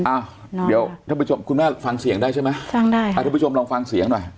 อ้าวเดี๋ยวท่านผู้ชมคุณแม่ฟังเสียงได้ใช่ไหมฟังได้ค่ะทุกผู้ชมลองฟังเสียงหน่อย